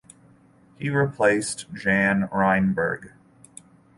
He replaced Jaan Reinberg.